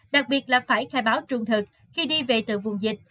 đặc biệt là phải khai báo trung thực khi đi về từ vùng dịch